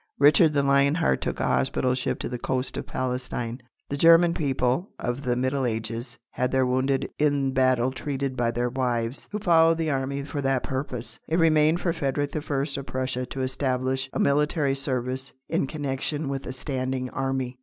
Richard the Lion Hearted took a hospital ship to the coast of Palestine. The German people of the Middle Ages had their wounded in battle treated by their wives, who followed the army for that purpose. It remained for Frederick the First of Prussia to establish a military service in connection with a standing army.